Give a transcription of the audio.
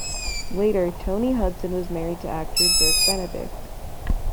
Later, Toni Hudson was married to actor Dirk Benedict.